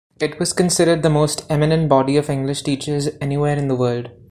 It was considered the most eminent body of English teachers anywhere in the world.